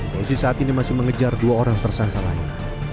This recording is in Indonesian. polisi saat ini masih mengejar dua orang tersangka lain